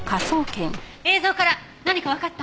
映像から何かわかった？